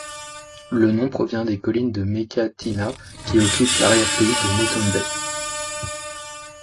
Le nom provient des collines de Mécatina, qui occupent l'arrière-pays de Mutton Bay.